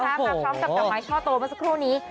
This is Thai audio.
มาพร้อมกับกับไม้ช่อโตมาสักครู่นี้